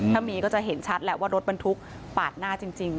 ถ้ามีก็จะเห็นชัดแหละว่ารถบรรทุกปาดหน้าจริง